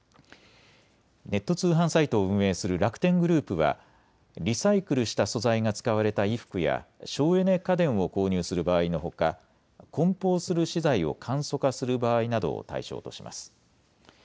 ネット通販サイトを運営する楽天グループはリサイクルした素材が使われた衣服や省エネ家電を購入する場合のほかこん包する資材を簡素化する場合などを対象とします。